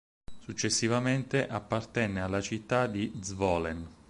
Successivamente appartenne alla città di Zvolen.